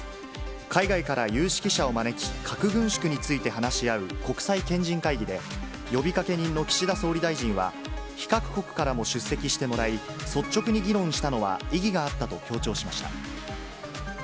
海外から有識者を招き、核軍縮について話し合う国際賢人会議で、呼びかけ人の岸田総理大臣は、非核国からも出席してもらい、率直に議論したのは意義があったと強調しました。